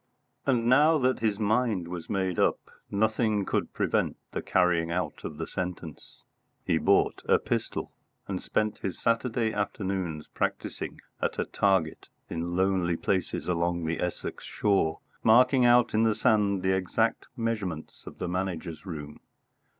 And now that his mind was made up, nothing could prevent the carrying out of the sentence. He bought a pistol, and spent his Saturday afternoons practising at a target in lonely places along the Essex shore, marking out in the sand the exact measurements of the Manager's room.